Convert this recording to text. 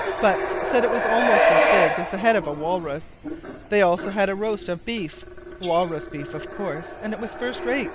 Butts said it was almost as big as the head of a walrus. They had also a roast of beef walrus beef, of course and first rate it was.